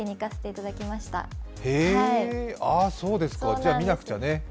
じゃあ、見なくちゃね。